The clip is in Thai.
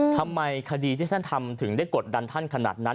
ทำไมคดีที่ท่านทำถึงได้กดดันท่านขนาดนั้น